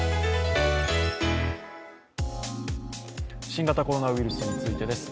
新型コロナウイルスについてです。